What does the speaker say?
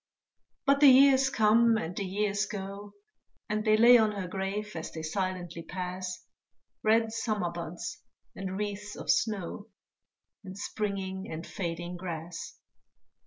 But the years come and the years go, And they lay on her grave as they silently pass, Red summer buds and wreaths of snow, And springing and fading grass.